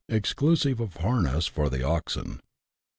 exclusive of harness for the oxen.